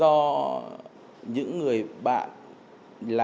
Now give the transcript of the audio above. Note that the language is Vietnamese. do những người bạn